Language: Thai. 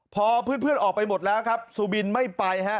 พอเพื่อนออกไปหมดแล้วครับสุบินไม่ไปฮะ